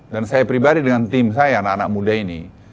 dan saya pribadi dengan tim saya anak anak muda ini